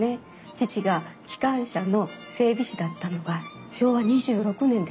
父が機関車の整備士だったのが昭和２６年ですからそのころです。